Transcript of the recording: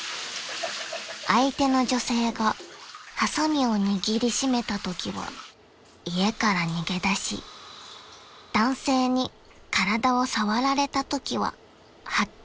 ［相手の女性がはさみを握り締めたときは家から逃げ出し男性に体を触られたときははっきり断ったのだとか］